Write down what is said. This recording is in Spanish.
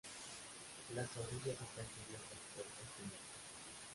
Las orillas están cubiertas por bosque mixto.